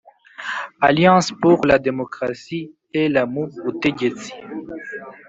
Alliance pour la D mocratie et lamu butegetsi